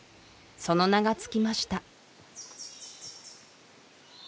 その名が付きました